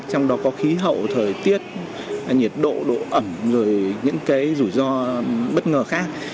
trong đó có khí hậu thời tiết nhiệt độ độ ẩm rồi những cái rủi ro bất ngờ khác